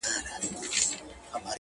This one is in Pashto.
د ټولې ورځې کار دې وي یوه خوږه خبره